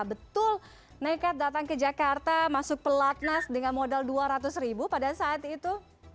betul nekat datang ke jakarta masuk pelatnas dengan modal dua ratus ribu pada saat itu